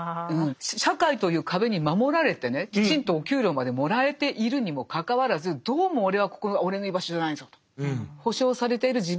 社会という壁に守られてねきちんとお給料までもらえているにもかかわらずどうも俺はここは俺の居場所じゃないぞと。